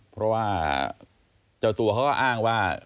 เพราะว่าเจ้าตัวเขาก็อ้างว่า